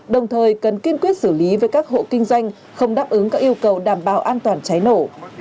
đồng thời cần kiên quyết xử lý với các hộ kinh doanh không đáp ứng các yêu cầu đảm bảo an toàn cháy nổ